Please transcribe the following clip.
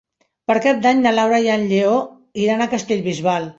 Per Cap d'Any na Laura i en Lleó iran a Castellbisbal.